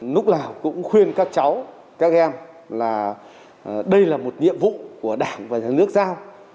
lúc nào cũng khuyên các cháu các em là đây là một nhiệm vụ của đảng và nhà nước giao